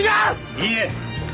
いいえ。